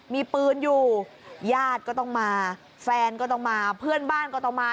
มีปืนอยู่ญาติก็ต้องมาแฟนก็ต้องมาเพื่อนบ้านก็ต้องมา